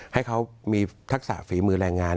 ให้เขามีทักษะฝีมือแรงงาน